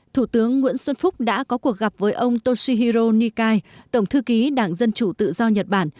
thủ tướng nguyễn xuân phúc đã có cuộc gặp với ông toshihiro nikai tổng thư ký đảng dân chủ tự do nhật bản